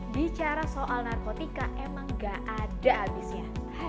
bicara soal narkotika emang gak ada abisnya